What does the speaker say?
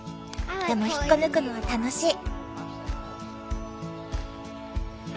でも引っこ抜くのは楽しい。